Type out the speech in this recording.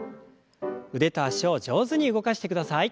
腕と脚を上手に動かしてください。